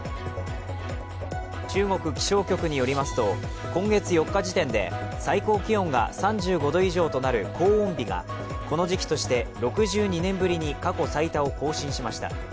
中国気象局によりますと今月４日時点で、最高気温が３５度以上となる高温日がこの時期として６２年ぶりに過去最多を更新しました。